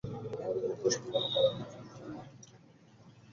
আমার হৃদয়ের পুষ্পবনে মালতী ও জুঁই ফুলের মুখগুলিও যেন লজ্জায় কালো হইয়া গেল।